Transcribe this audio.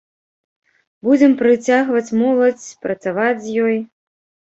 Будзем прыцягваць моладзь, працаваць з ёй.